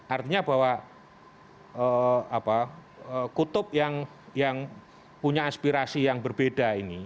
artinya bahwa kutub yang punya aspirasi yang berbeda ini